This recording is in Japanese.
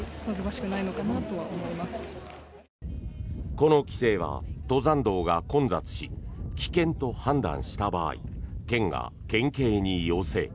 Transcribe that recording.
この規制は登山道が混雑し危険と判断した場合県が県警に要請。